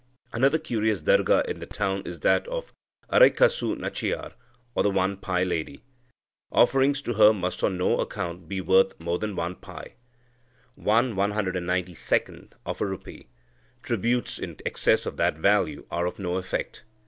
Another curious darga in the town is that of Araikasu Nachiyar, or the one pie lady. Offerings to her must on no account be worth more than one pie (1/192 of a rupee); tributes in excess of that value are of no effect.